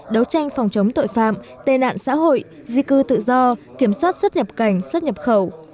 đấu tranh phòng chống tội phạm tên nạn xã hội di cư tự do kiểm soát xuất nhập cảnh xuất nhập khẩu